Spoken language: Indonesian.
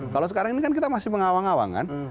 kalau sekarang ini kan kita masih mengawang awang kan